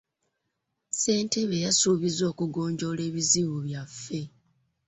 Ssentebe yasuubizza okugonjoola ebizibu byaffe .